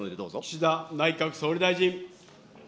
岸田内閣総理大臣。